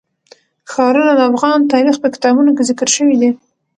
ښارونه د افغان تاریخ په کتابونو کې ذکر شوی دي.